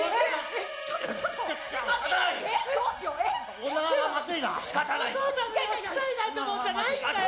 お父さんのへは臭いなんてもんじゃないんだよ。